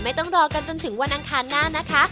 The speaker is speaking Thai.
ต้องรอกันจนถึงวันอังคารหน้านะคะ